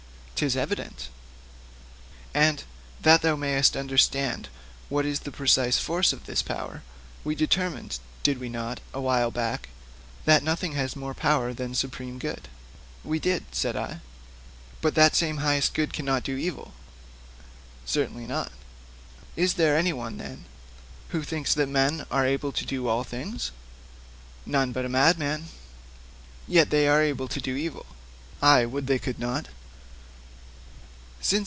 ''Tis evident.' 'And that thou mayst understand what is the precise force of this power, we determined, did we not, awhile back, that nothing has more power than supreme good?' 'We did,' said I. 'But that same highest good cannot do evil?' 'Certainly not.' 'Is there anyone, then, who thinks that men are able to do all things?' 'None but a madman.' 'Yet they are able to do evil?' 'Ay; would they could not!'